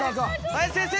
林先生！